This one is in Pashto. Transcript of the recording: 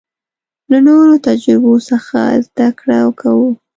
له نورو تجربو څخه زده کړه کوو.